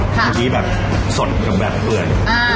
คือแบบสดเหมือนแบบเปลือย